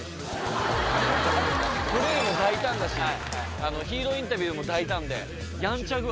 プレーも大胆だしヒーローインタビューも大胆でヤンチャ具合